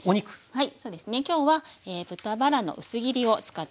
はい。